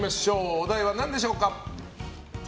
お題は何でしょうか？